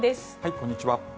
こんにちは。